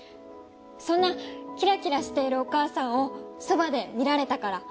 そんなキラキラしているお母さんをそばで見られたから。